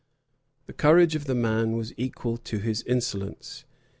The courage of the man was equal to his insolence.